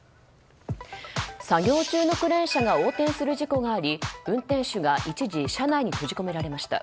作業中のクレーン車が横転する事故があり運転手が一時車内に閉じ込められました。